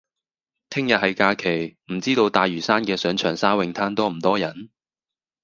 聽日係假期，唔知道大嶼山嘅上長沙泳灘多唔多人？